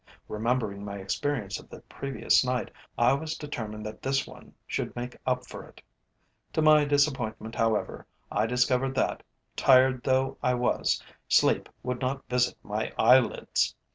Remembering my experience of the previous night, I was determined that this one should make up for it. To my disappointment, however, I discovered that, tired though I was, sleep would not visit my eyelids.